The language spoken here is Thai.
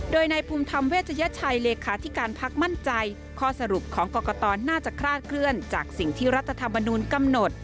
โดยในภูมิธรรมเวชยชัยเลขาธิการพักมั่นใจข้อสรุปของกรกตน่าจะคลาดเคลื่อนจากสิ่งที่รัฐธรรมนูลกำหนด